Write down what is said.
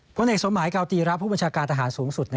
ผลเอกสมหมายกาวตีระผู้บัญชาการทหารสูงสุด